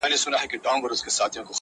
ما په لفظو کي بند پر بند ونغاړه.